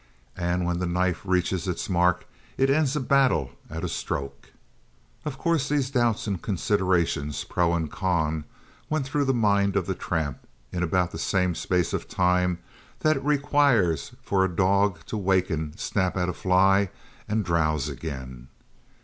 And when the knife reaches its mark it ends a battle at a stroke. Of course these doubts and considerations pro and con went through the mind of the tramp in about the same space of time that it requires for a dog to waken, snap at a fly, and drowse again.